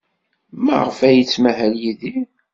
Maɣef ay yettmahal Yidir?